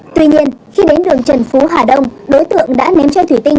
tuy nhiên khi đến đường trần phú hà đông đối tượng đã ném chân thủy tinh